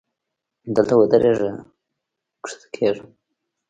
دلته ودریږه! کوزیږم.